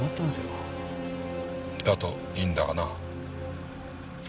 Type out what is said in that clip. だといいんだがな。